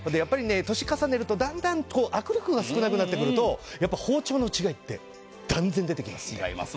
年を取ると段々と握力が少なくなると包丁の違いって断然出てきます。